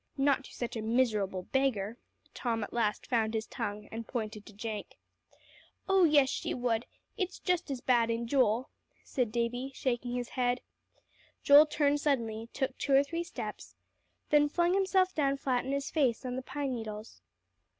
"Not to such a miserable beggar." Tom at last found his tongue, and pointed to Jenk. "Oh, yes, she would. It's just as bad in Joel," said Davie, shaking his head. Joel turned suddenly, took two or three steps, then flung himself down flat on his face on the pine needles.